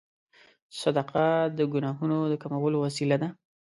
صدقه د ګناهونو د کمولو وسیله ده.